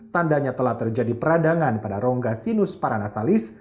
tandanya telah terjadi peradangan pada rongga sinus paranasalis